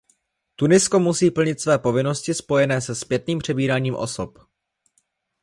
Tunisko musí plnit své povinnosti spojené se zpětným přebíráním osob.